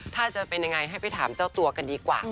ถ้าจะเป็นยังไงให้ไปถามเจ้าตัวกันดีกว่า